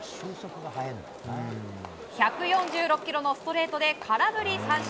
１４６キロのストレートで空振り三振。